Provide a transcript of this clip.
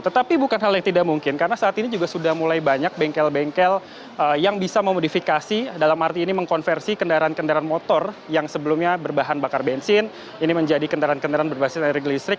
tetapi bukan hal yang tidak mungkin karena saat ini juga sudah mulai banyak bengkel bengkel yang bisa memodifikasi dalam arti ini mengkonversi kendaraan kendaraan motor yang sebelumnya berbahan bakar bensin ini menjadi kendaraan kendaraan berbasis energi listrik